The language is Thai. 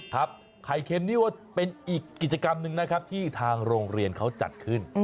ครับไข่เค็มนี่ว่าเป็นอีกกิจกรรมหนึ่งนะครับที่ทางโรงเรียนเขาจัดขึ้น